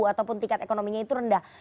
ataupun tingkat ekonominya itu rendah